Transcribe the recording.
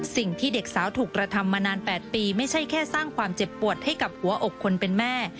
สิ่งที่เด็กสาวถูกกระทำมานาน๘ปีไม่ใช่แค่สร้างความเจ็บปวดให้กับหัวอกคนเป็นแม่